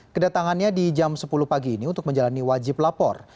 kedatangannya di jam sepuluh pagi ini untuk menjalani wajib lapor